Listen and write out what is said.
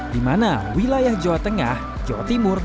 di mana wilayah jawa tengah jawa timur